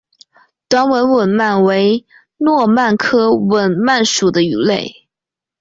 短吻吻鳗为糯鳗科吻鳗属的鱼类。